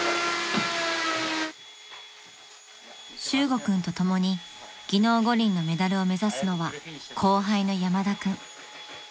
［修悟君と共に技能五輪のメダルを目指すのは後輩の山田君］